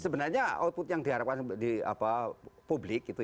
sebenarnya output yang diharapkan publik itu ya